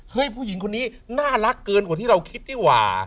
ผู้หญิงคนนี้น่ารักเกินกว่าที่เราคิดนี่หว่า